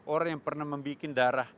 orang yang pernah membuat darah